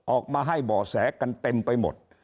ออกมาให้บ่อแสกันเต็มไปหมด